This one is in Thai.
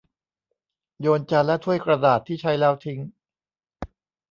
โยนจานและถ้วยกระดาษที่ใช้แล้วทิ้ง